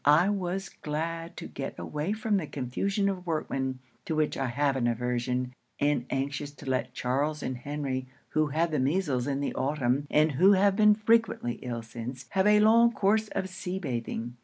I was glad to get away from the confusion of workmen, to which I have an aversion; and anxious to let Charles and Henry, who had the measles in the Autumn and who have been frequently ill since, have a long course of sea bathing.